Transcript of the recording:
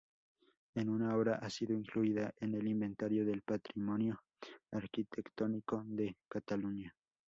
Es una obra ha sido incluida en el Inventario del Patrimonio Arquitectónico de Cataluña.